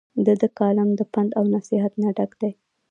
د دۀ کالم د پند او نصيحت نه ډک دے ۔